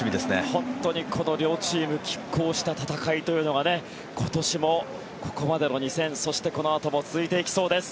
本当に両チームきっ抗した戦いというのがここまでの２戦そしてこのあとも続いていきそうです。